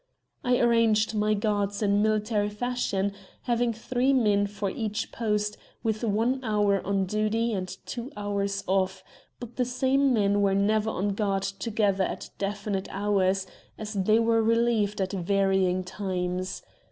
I arranged my guards in military fashion, having three men for each post, with one hour on duty and two hours off, but the same men were never on guard together at definite hours, as they were relieved at varying times.